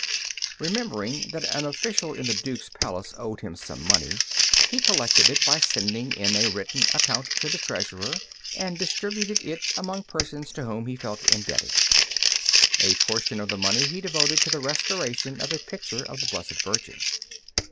Remembering that an official in the Duke's palace owed him some money, he collected it by sending in a written account to the treasurer, and distributed it among persons to whom he felt indebted. A portion of the money he devoted to the restoration of a picture of the Blessed Virgin.